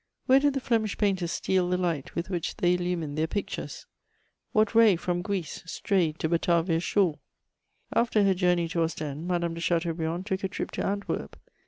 Where did the Flemish painters steal the light with which they illumined their pictures? What ray from Greece strayed to Batavia's shore? After her journey to Ostend, Madame de Chateaubriand took a trip to Antwerp.